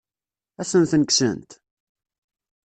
Ad asen-ten-kksent?